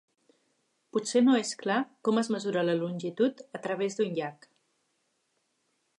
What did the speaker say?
Potser no és clar com es mesura la longitud a través d'un llac.